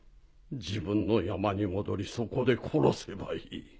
自分の山に戻りそこで殺せばいい。